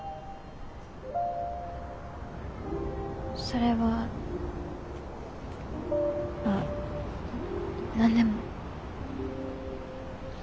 それはあ何でも。